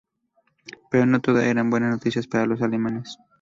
Pero no todo eran buenas noticias para los alemanes.